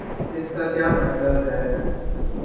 اس کا کیا مطلب ہے؟